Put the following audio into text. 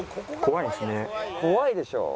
怖いでしょ。